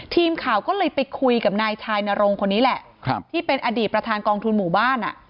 ทีมข่าวก็เลยไปคุยกับนายชายนรงคนนี้แหละที่เป็นอดีตประธานกองทุนหมู่บ้านอ่ะ